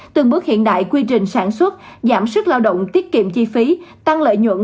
từng bước hiện đại quy trình sản xuất giảm sức lao động tiết kiệm chi phí tăng lợi nhuận